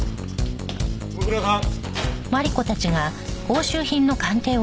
ご苦労さん。